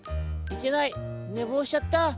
いけないねぼうしちゃった！